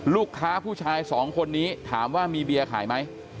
ลูกค้าผู้ชายสองคนนี้ถามว่ามีเบียร์ขายไหม